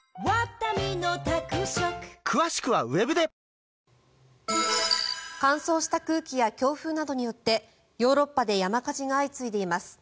ニトリ乾燥した空気や強風などによってヨーロッパで山火事が相次いでいます。